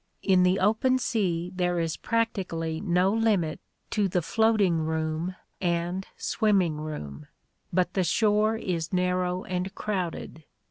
In the open sea there is practically no limit to the floating room and swimming room, but the shore is narrow and crowded.